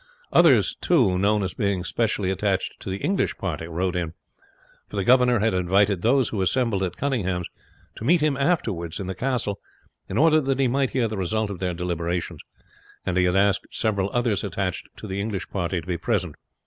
Others, too, known as being specially attached to the English party, rode in, for the governor had invited those who assembled at Cunninghame's to meet him afterwards in the castle in order that he might hear the result of their deliberations; and he had asked several others attached to the English party to be present.